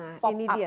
nah ini dia